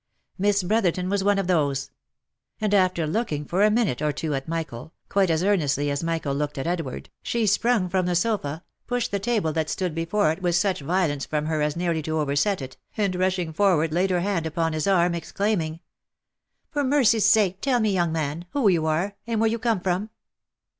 Miss Brotherton was one of those ; and after looking for a minute or two at Michael, quite as earnestly as Michael looked at Edward, she sprung from the sofa, pushed the table that stood before it with such "violence from her as nearly to overset it, and rushing forward laid her hand upon his arm, exclaiming, "For mercy's sake tell me young man, who you are, and where you come from